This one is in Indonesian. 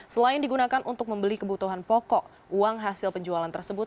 selain digunakan untuk membeli kebutuhan pokok uang hasil penjualan tersebut